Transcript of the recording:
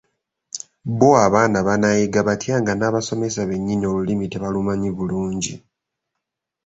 Bbo abaana banaayiga batya nga n’ab'abasomesa bennyini Olulimi tebalumanyi bulungi.